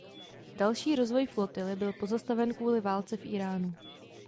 Další rozvoj flotily byl pozastaven kvůli válce v Íránu.